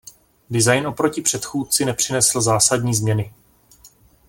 Design oproti předchůdci nepřinesl zásadní změny.